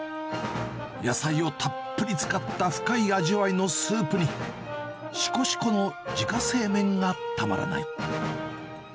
野菜をたっぷり使った深い味わいのスープに、しこしこの自家製麺がたまらない。